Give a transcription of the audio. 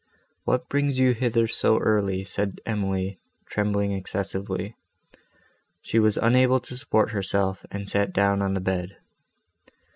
"What brings you hither so early?" said Emily, trembling excessively. She was unable to support herself, and sat down on the bed.